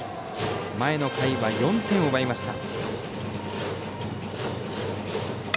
前の回は４点を奪いました。